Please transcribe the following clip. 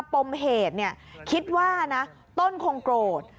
ปมเหตุคิดว่านะต้นคงโกรธ